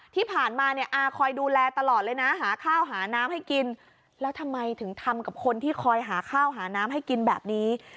ที่ผ่านมาอาคอยดูแลตลอดเลยนะหาข้าวหาน้ำให้กิน